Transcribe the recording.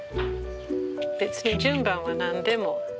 別に順番は何でも。